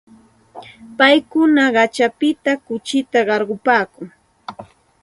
Paykuna kaćhapita kuchita qarqupaakun.